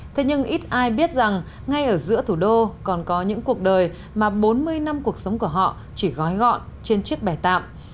thế nhưng ít ai biết rằng ngay ở giữa thủ đô còn có những cuộc đời mà bốn mươi năm cuộc sống của họ chỉ gói gọn trên chiếc bè tạm